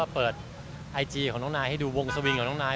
เปิดไอจีของน้องนายให้ดูวงสวิงกับน้องนาย